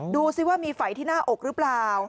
ดูสิว่ามีไฝที่หน้าอกหรือเปล่า